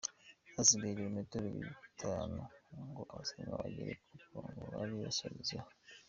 Hasigaye ibilometero bitanu ngo abasiganwa bagere ku murongo bari busorezeho.